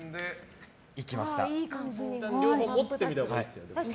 持ってみたほうがいいですよ。